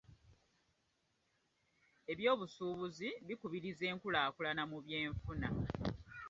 Eby'obusuubuzi bikubiriza enkulaakulana mu by'enfuna.